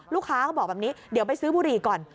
เขาบอกแบบนี้เดี๋ยวไปซื้อบุหรี่ก่อน